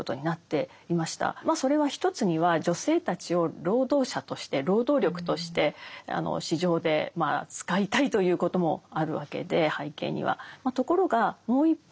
それは一つには女性たちを労働者として労働力として市場で使いたいということもあるわけで背景には。